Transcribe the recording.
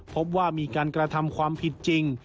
พบว่ามีการกระทำความผิดจริง